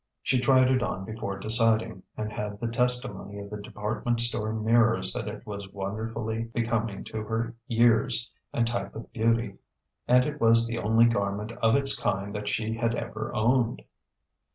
She tried it on before deciding, and had the testimony of the department store mirrors that it was wonderfully becoming to her years and type of beauty. And it was the only garment of its kind that she had ever owned.